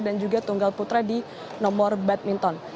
dan juga tunggal putra di nomor badminton